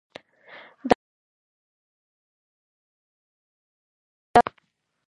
دا کسان د جوماتونو امامان دي.